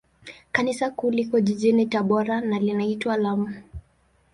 Kanisa Kuu liko jijini Tabora, na linaitwa la Mt.